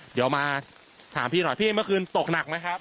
เดี๋ยวมาถามพี่หน่อยพี่เมื่อคืนตกหนักไหมครับ